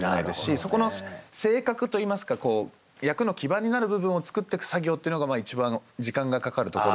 そこの性格といいますか役の基盤になる部分を作ってく作業っていうのが一番時間がかかるところなんですけど。